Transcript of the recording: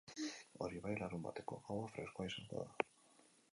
Hori bai, larunbateko gaua freskoa izango da.